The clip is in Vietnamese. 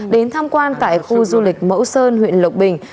đến tham quan tại khu du lịch mẫu sơn huyện lộc bình